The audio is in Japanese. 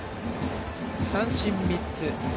三振３つ。